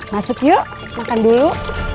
masuk yuk makan dulu